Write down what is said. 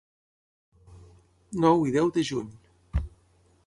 Nou i deu de juny.